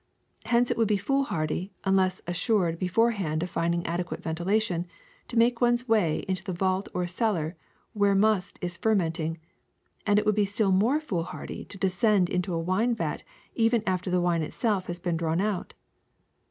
Hence it would be foolliardy unless assured before hand of finding adequate ventilation, to make one's way into the vault or cellar where must is ferment ing ; and it would be still more foolhardy to descend into a wine vat even after the wine itself has been drawn out.